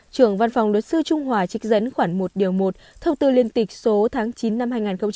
trưởng văn phòng luật sư trung hòa trích dẫn khoảng một điều một thông tư liên tịch số tháng chín năm hai nghìn một mươi ba